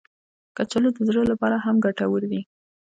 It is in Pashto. کچالو د زړه لپاره هم ګټور دي